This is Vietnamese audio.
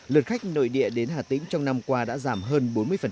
lượt khách nội địa đến hà tĩnh trong năm qua đã giảm hơn bốn mươi